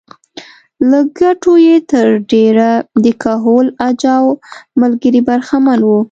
له ګټو یې تر ډېره د کهول اجاو ملګري برخمن وو